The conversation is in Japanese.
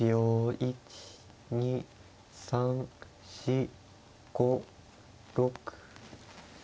１２３４５６。